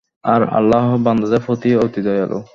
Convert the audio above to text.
আর আল্লাহ বান্দাদের প্রতি অতি দয়ালু।